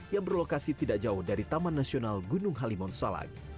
yang berlokasi tidak jauh dari taman nasional gunung halimun salak